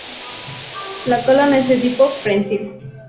La cola no es de tipo prensil.